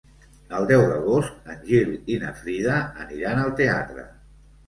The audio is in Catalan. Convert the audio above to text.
El deu d'agost en Gil i na Frida aniran al teatre.